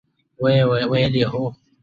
ویل ، هو!